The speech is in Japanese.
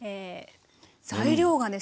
材料がね